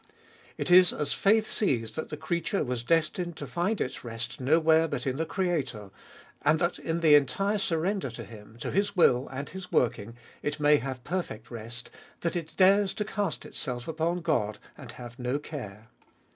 It is as faith sees that the creature was destined to find its rest nowhere but in the Creator, and that in the entire surrender to Him, to His will and His working, it may have perfect rest, that it dares to cast itself upon God, and have no care.